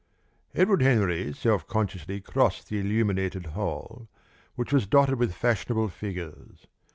Edward Henry self consciously crossed the illuminated hall, which was dotted with fashionable figures.